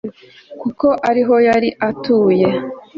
kuko ari ho yari atuye